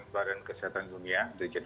varian kesehatan dunia dirjen